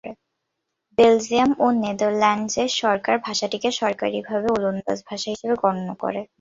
Belgium ও নেদারল্যান্ডসের সরকার ভাষাটিকে সরকারিভাবে ওলন্দাজ ভাষা হিসেবে গণ্য করে।